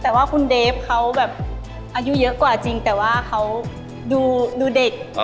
แต่ว่าคุณเดฟเขาแบบอายุเยอะกว่าจริงแต่ว่าเขาดูเด็ก